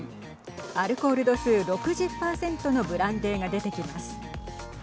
アルコール度数６０％のブランデーが出てきます。